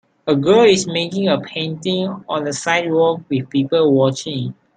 A girl is making a painting on the sidewalk with people watching